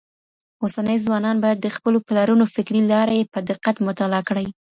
اوسني ځوانان بايد د خپلو پلرونو فکري لاري په دقت مطالعه کړي.